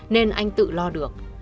nên anh tự lo được